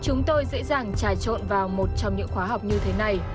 chúng tôi dễ dàng trà trộn vào một trong những khóa học như thế này